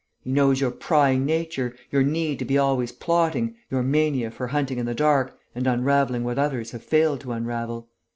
He knows your prying nature, your need to be always plotting, your mania for hunting in the dark and unravelling what others have failed to unravel.